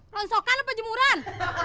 rongsokan apa jemuran